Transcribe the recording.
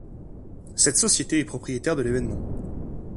Cette société est propriétaire de l'événement.